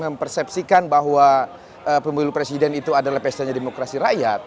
mempersepsikan bahwa pemilu presiden itu adalah pestanya demokrasi rakyat